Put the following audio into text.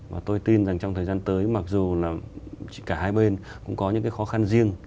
và tôi tin rằng trong thời gian tới mặc dù là cả hai bên cũng có những cái khó khăn riêng